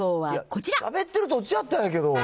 しゃべってる途中やったんやけど。